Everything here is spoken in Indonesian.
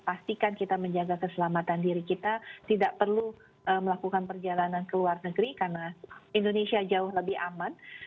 pastikan kita menjaga keselamatan diri kita tidak perlu melakukan perjalanan ke luar negeri karena indonesia jauh lebih aman